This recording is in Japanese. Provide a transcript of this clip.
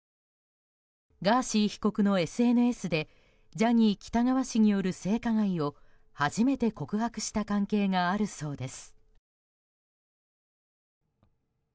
ガーシー被告のＳＮＳでジャニー喜多川氏による性加害を初めて告白した関係があるそうです。